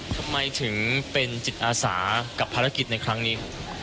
ทำไมถึงเป็นจิตอาสากับภารกิจในครั้งนี้ครับ